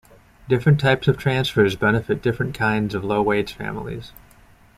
Different types of transfers benefit different kinds of low-wage families.